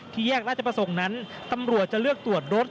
แยกราชประสงค์นั้นตำรวจจะเลือกตรวจรถ